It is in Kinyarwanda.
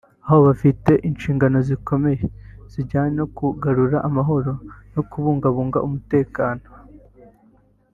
aho bafite inshingano zikomeye zijyanye no kugarura amahoro no kubungabunga umutekano